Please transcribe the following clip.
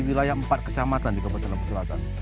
wilayah empat kecamatan di keputusan selatan